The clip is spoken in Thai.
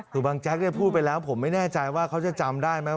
คือบางแจ๊กพูดไปแล้วผมไม่แน่ใจว่าเขาจะจำได้ไหม